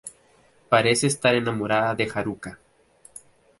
Parece estar enamorada de Haruka.